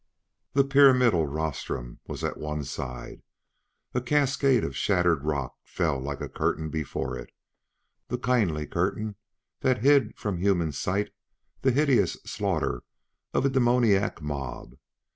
The pyramidal rostrum was at one side. A cascade of shattered rock fell like a curtain before it a kindly curtain that hid from human sight the hideous slaughter of a demoniac mob.